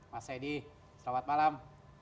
mas adi selamat malam